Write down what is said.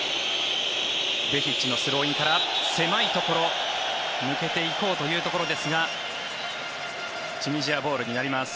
ベヒッチのスローインから狭いところを抜けていこうというところですがチュニジアボールになります。